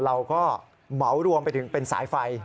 เราก็เหมารวมไปถึงเป็นสายไฟ